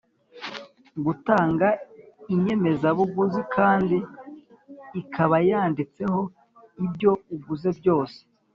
gutanga inyemezabuguzi kandi ikabayanditseho ibyo uguze byose.